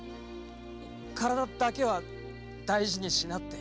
“身体だけは大事にしな”って。